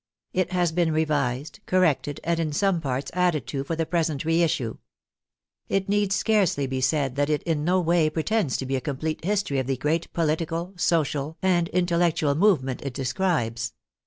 It has been revised, corrected, and, in some parts, added to, for the present re issue. It need scarcely be said that it in no way pretends to be a com plete history of the great political, social, and intellectual movement it describes.